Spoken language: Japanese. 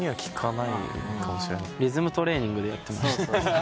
リズムトレーニングでやってました。